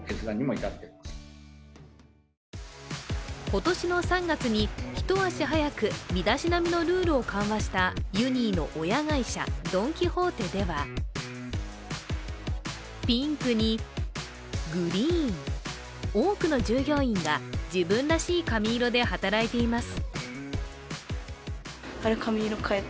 今年の３月に一足早く身だしなみのルールを緩和したユニーの親会社ドン・キホーテではピンクにグリーン、多くの従業員が自分らしい髪色で働いています。